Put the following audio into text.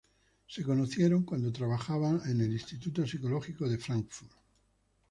Se conocieron cuando trabajaban en el Instituto Psicológico de Frankfurt.